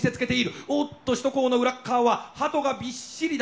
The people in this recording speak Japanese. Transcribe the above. おっと首都高の裏っ側はハトがびっしりだ。